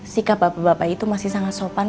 sikap bapak bapak itu masih sangat sopan